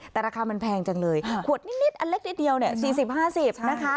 แต่ราคามันแพงจังเลยขวดนิดอันเล็กนิดเดียวเนี่ย๔๐๕๐นะคะ